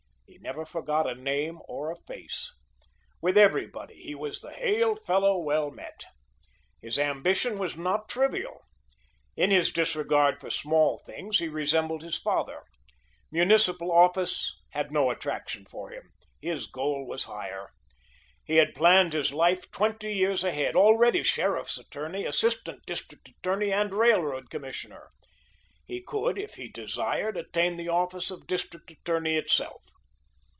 He never forgot a name or a face. With everybody he was the hail fellow well met. His ambition was not trivial. In his disregard for small things, he resembled his father. Municipal office had no attraction for him. His goal was higher. He had planned his life twenty years ahead. Already Sheriff's Attorney, Assistant District Attorney and Railroad Commissioner, he could, if he desired, attain the office of District Attorney itself.